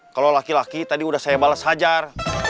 kalau laki laki tadi udah saya balas hajar